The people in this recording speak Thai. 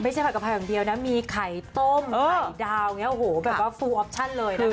ไม่ใช่ผัดกะเพราอย่างเดียวนะมีไข่ต้มไข่ดาวแบบว่าฟูลออปชั่นเลยนะคะ